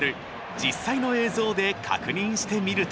実際の映像で確認してみると。